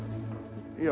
いや